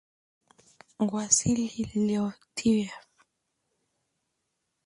Wassily Leontief.